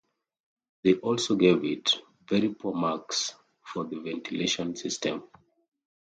They also gave it "very poor marks" for the ventilation system.